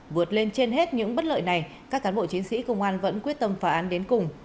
vượt lên trên hết những bất lợi này các cán bộ chiến sĩ công an vẫn quyết tâm phả án đến cùng